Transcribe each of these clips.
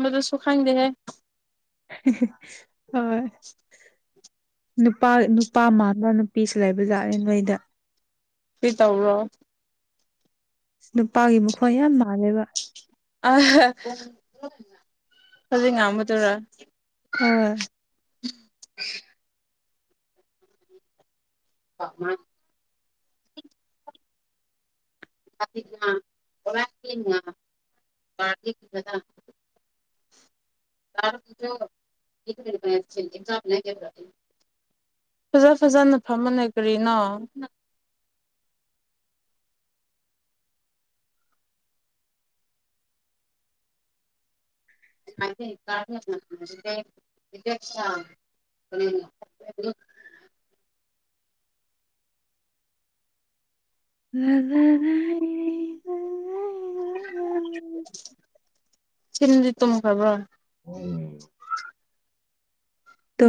ꯃꯗꯨ ꯁꯈꯥꯡꯗꯦ ꯍꯥꯏ ꯍꯣꯏ ꯅꯨꯄꯥ ꯅꯨꯄꯥ ꯃꯥꯅ ꯅꯨꯄꯤꯁꯨ ꯂꯩꯕꯖꯥꯠꯂꯦ ꯅꯣꯏꯗ ꯄꯤ ꯇꯧꯔꯣ ꯅꯨꯄꯥꯒꯤ ꯃꯈꯣꯟ ꯌꯥꯝ ꯃꯥꯜꯂꯦꯕ ꯑ ꯑꯗꯨ ꯉ ꯑꯝꯕꯗꯨꯔ ꯍꯣꯏ ꯑ ꯑꯣꯔ ꯀꯦ ꯐꯖ ꯐꯖꯅ ꯐꯃꯟꯅ ꯀꯔꯤꯅꯣ [inaudible] ꯀ ꯏꯄꯦꯁ ꯎꯝ ꯂꯖ ꯁꯤꯟꯗꯤꯠꯇꯃ ꯈꯕ꯭ꯔ ꯎ ꯇ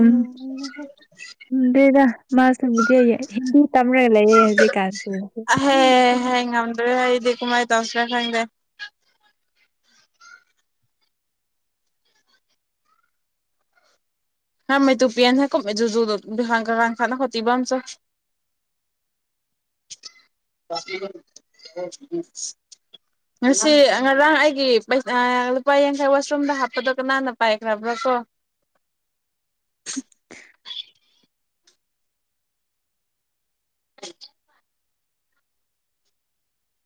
ꯎ ꯗꯦꯗ ꯃꯥꯁ ꯅꯨꯃꯤꯗꯤ ꯑꯩ ꯍꯤꯟꯗꯤ ꯇꯝꯔꯒ ꯂꯩꯌꯦꯦ ꯍꯧꯖꯤꯛꯀꯥꯟꯁꯦ ꯑꯍꯦ [inaudible] ꯀꯃꯥꯏ ꯇꯁꯔ ꯈꯪꯗꯦ ꯍꯥ ꯃ ꯇꯨ ꯄꯤꯅꯤꯀꯣꯁꯨ ꯀ ꯈꯅ ꯈꯇꯕꯝ ꯆ [inaudible] ꯉꯁꯤ ꯉꯔꯥꯡ ꯑꯩꯒꯤ ꯂꯨꯄꯥ ꯌꯥꯡꯈꯩ ꯋꯥꯁꯔꯨꯝꯗ ꯍꯥꯞꯄꯗꯣ ꯀꯅꯥꯅ ꯄꯥꯏꯈ꯭ꯔꯕ꯭ꯔꯥ ꯀ [inaudible] ꯐ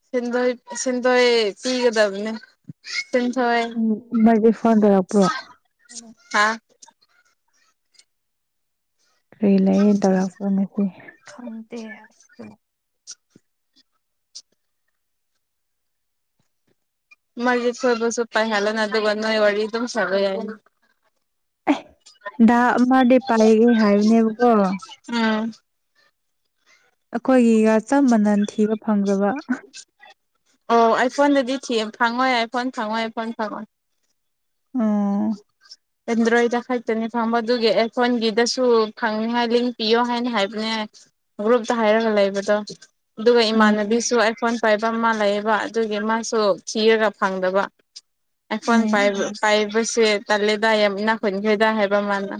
ꯁꯤꯟꯗꯣꯏ ꯁꯤꯟꯗꯣꯏ ꯄꯤꯒꯗꯕꯅꯦ ꯎꯝ ꯃꯥꯗꯤ ꯐꯣꯟ ꯇꯧꯔꯛꯄ꯭ꯔꯣ ꯁꯨ ꯍꯥꯥ ꯀꯔꯤ ꯂꯩ ꯇꯧꯔꯛꯄ ꯉꯁꯤ ꯈꯪꯗꯦ ꯃ ꯐꯣꯏꯕꯁꯨ ꯎ ꯄꯥꯏ ꯍꯥꯏꯂ ꯅ ꯑꯗꯨꯒꯣ ꯋꯥꯔꯤ ꯑꯗꯨꯝ ꯁꯒ ꯌꯥ ꯥꯛ ꯑꯃꯗꯤ ꯄꯥꯏꯒꯦ ꯍꯥꯏꯕꯅꯦꯕꯀꯣ ꯎꯝ ꯑꯩꯈꯣꯏꯒꯤꯒ ꯆ ꯃꯅꯜ ꯊꯤꯕ ꯐꯪꯖꯕ ꯑꯣ ꯑꯩ ꯐꯣꯟꯗꯗꯤ ꯊ ꯐꯪꯉꯣꯏ ꯌꯥ ꯑꯩ ꯐꯣꯟ ꯐꯪꯉꯣꯏ ꯑꯩ ꯐꯣꯟ ꯐꯪꯉꯣꯏ ꯑꯣ ꯑꯦꯟꯗ꯭ꯔꯣꯏꯗ ꯈꯛꯇꯅꯤ ꯐꯪꯕ ꯑꯗꯨꯒꯤ ꯑꯦꯐꯣꯟꯒꯤꯗꯁꯨ ꯈꯪꯅꯤꯡꯉꯥꯏ ꯂꯤꯡ ꯄꯤꯌꯣ ꯍꯥꯏꯅ ꯍꯥꯏꯕꯅꯦ ꯒ꯭ꯔꯨꯞꯇ ꯍꯥꯏꯔꯒ ꯂꯩꯕꯗꯣ ꯑꯗꯨꯒ ꯑꯣ ꯏꯃꯥꯟꯅꯕꯤꯁꯨ ꯑꯩꯐꯣꯟ ꯄꯥꯏꯕ ꯑꯃ ꯂꯩꯌꯦꯕ ꯑꯗꯨꯒꯤ ꯃꯥꯁꯨ ꯊꯤꯔꯒ ꯐꯪꯗꯕ ꯑꯣ ꯑꯩꯈꯣꯏ ꯑꯣ ꯄꯥꯏꯕꯁꯦ ꯇꯂꯦ ꯗꯥꯏ ꯅꯥꯈꯣꯏꯅꯤꯈꯩꯗꯥ ꯍꯥꯏꯕ ꯃꯥꯅ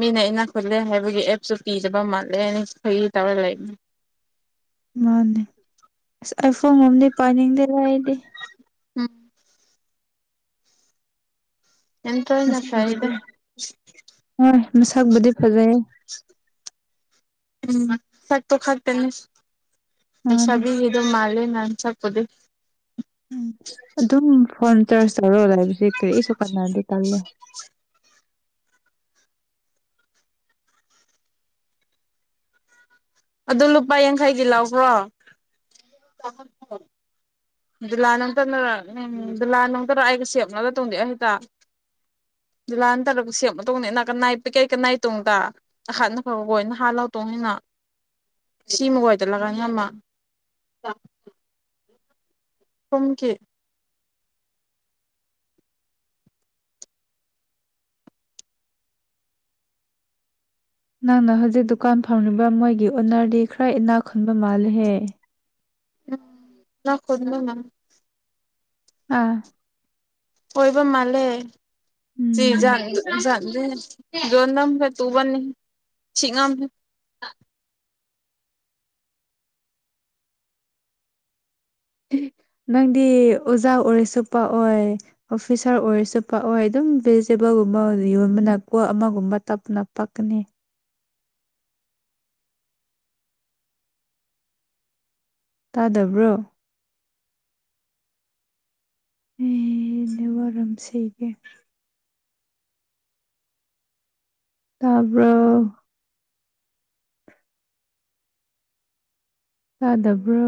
ꯃꯤꯅ ꯏꯅꯥ ꯈꯨꯠꯂꯦ ꯍꯥꯏꯕꯒꯤ ꯑꯦꯞꯁꯨ ꯄꯤꯗꯕ ꯃꯥꯜꯂꯦꯅꯈꯣꯏꯒꯤ ꯇꯧꯔ ꯂꯩꯅꯦ ꯃꯥꯅꯦ ꯑꯁ ꯑꯩꯐꯣꯣꯝꯗꯤ ꯄꯥꯏꯅꯤꯡꯗꯦ ꯂꯗꯤ ꯎꯝ ꯑꯦꯟꯗ꯭ꯔꯣꯏꯗꯅ ꯃꯁꯗꯤ ꯐꯩꯗ ꯍꯣꯏ ꯃꯁꯛꯕꯨꯗꯤ ꯐꯖꯩ [inaudible] ꯎꯝ ꯁꯠ ꯇꯥꯛꯇꯅꯦ ꯃꯥꯅꯦ ꯁꯕꯤ ꯏ ꯃꯥꯂ ꯅ ꯃꯁꯄꯗꯤ ꯎꯝ ꯑꯗꯨꯝ ꯐꯣꯟ ꯆꯔ ꯇ ꯂꯧꯔꯣꯗ ꯍꯥꯏꯁꯦ ꯀꯔꯤ ꯑꯩꯁꯨ ꯀꯥꯟꯅꯔꯗꯤ ꯇꯜꯂꯦ ꯑꯗꯨ ꯂꯨꯄꯥ ꯌꯥꯡꯈꯩꯗꯤ ꯂꯥꯛꯕ꯭ꯔꯣ ꯗꯤꯂꯥ ꯅꯇꯅꯔ ꯎꯝ ꯗꯨꯜꯂꯥ ꯅꯇꯔ ꯑꯩꯒ ꯁꯦꯞꯅꯕꯒ ꯇꯣꯡꯗꯑꯦ ꯍꯦꯇꯥ [inaudible] ꯖꯤꯜꯂꯥꯟ ꯇꯔꯛ ꯁꯦꯃ ꯃꯇꯨꯡꯧꯗꯅꯦꯅꯥ ꯀꯟꯅꯥꯏ ꯄꯩ ꯀꯩ ꯀꯩ ꯅꯥꯏ ꯇꯣꯡꯗ ꯅꯈꯥꯅ ꯐꯕꯈꯣ ꯅꯍꯥꯟ ꯂꯥꯎꯇꯣꯡꯅꯤꯅ [inaudible] ꯁꯤꯃꯒꯣꯏꯗꯂꯀꯥꯟ ꯌꯥꯝꯃ ꯇꯨꯝꯀꯤ ꯅꯪꯅ ꯍꯧꯖꯤꯛ ꯗꯨꯀꯥꯟ ꯐꯪꯂꯤꯕ ꯃꯣꯏꯒꯤ ꯎꯅꯔꯗꯤ ꯈꯔ ꯏꯅꯥ ꯈꯨꯟꯕ ꯃꯥꯜꯂꯍꯦ ꯎꯝ ꯂ ꯈꯨ ꯑꯥ ꯍꯣꯏꯕ ꯃꯥꯂꯦ ꯎꯝ ꯁꯤ ꯣꯟꯗꯝ ꯍ ꯇꯨꯕꯅꯤꯤꯉꯝ ꯎꯝ ꯅꯪꯗꯤ ꯑꯣꯖꯥ ꯑꯣꯏꯔꯁꯨ ꯄꯥꯛꯑꯣꯏ ꯑꯣꯐꯤꯁꯥꯔ ꯑꯣꯏꯔꯁꯨ ꯄꯥꯛꯑꯣꯏ ꯑꯗꯨꯝ ꯚꯦꯖꯤꯇꯦꯕꯜ ꯑꯗꯨꯒꯨꯝꯕ ꯌꯣꯟꯕꯅ ꯀꯣ ꯑꯃꯒꯨꯝꯕ ꯇꯞꯅ ꯄꯛꯀꯅꯤ ꯇꯥꯗꯕ꯭ꯔꯣ ꯍ ꯅꯨ ꯋꯥꯔꯝꯁꯤꯒ ꯇꯥꯔꯕ ꯇꯥꯗꯕ꯭ꯔꯣ